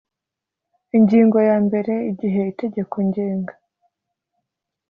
ingingo ya mbere igihe itegeko ngenga